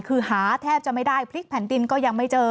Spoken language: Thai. คือหาแทบจะไม่ได้พลิกแผ่นดินก็ยังไม่เจอ